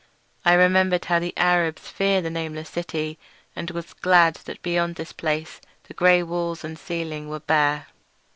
I remembered how the Arabs fear the nameless city, and was glad that beyond this place the grey walls and ceiling were bare.